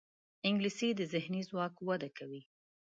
انګلیسي د ذهني ځواک وده کوي